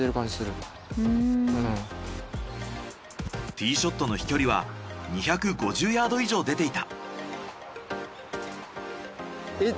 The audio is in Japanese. ティショットの飛距離は２５０ヤード以上出ていた。